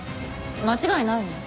間違いないの？